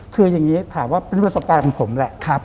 คืออย่างนี้ถามว่าเป็นประสบการณ์ของผมแหละ